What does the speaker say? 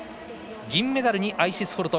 銀メダルにアイシス・ホルト。